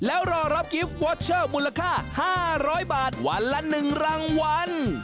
แล้วรอรับกิฟต์วอเชอร์มูลค่า๕๐๐บาทวันละ๑รางวัล